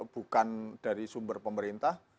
bukan dari sumber pemerintah